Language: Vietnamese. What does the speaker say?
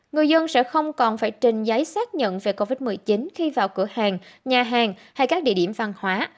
người dân sẽ không còn phải trình giấy xác nhận về covid một mươi chín khi vào cửa hàng nhà hàng hay các địa điểm văn hóa